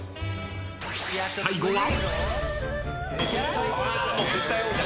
［最後は］